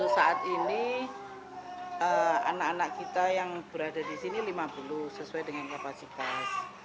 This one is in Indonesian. saat ini anak anak kita yang berada di sini lima puluh sesuai dengan kapasitas